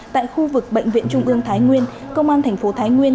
tại khu vực bệnh viện trung ương thái nguyên công an thành phố thái nguyên